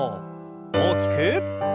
大きく。